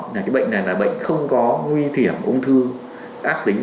là cái bệnh này là bệnh không có nguy hiểm ung thư ác tính